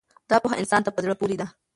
دا پوهه انسان ته په زړه پورې ده.